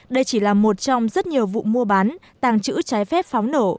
đây chỉ là một trong rất nhiều vụ mua bán tàng trữ trái phép pháo nổ